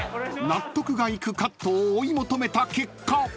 ［納得がいくカットを追い求めた結果］